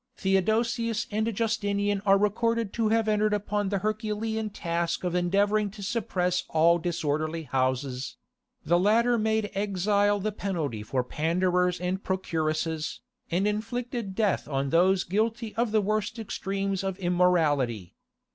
Theodosius and Justinian are recorded to have entered upon the herculean task of endeavouring to suppress all disorderly houses: the latter made exile the penalty for panders and procuresses, and inflicted death on those guilty of the worst extremes of immorality.